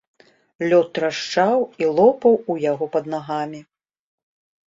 Лёд трашчаў і лопаў у яго пад нагамі.